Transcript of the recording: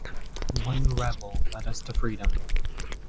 One rebel led us to freedom.